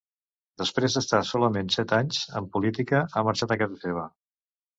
Després d’estar solament set anys en política, ha marxat a casa seva.